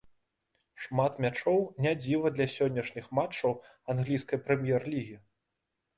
Шмат мячоў не дзіва для сённяшніх матчаў англійскай прэм'ер-лігі.